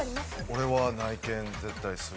俺は内見絶対する。